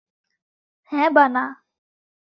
হ্যাঁ বা না?